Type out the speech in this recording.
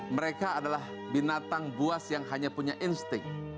mereka adalah binatang buas yang hanya punya insting